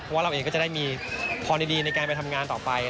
เพราะว่าเราเองก็จะได้มีพอดีในการไปทำงานต่อไป